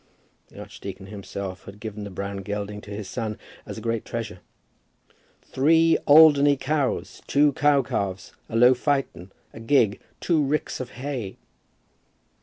The archdeacon himself had given the brown gelding to his son, as a great treasure. "Three Alderney cows, two cow calves, a low phaeton, a gig, two ricks of hay."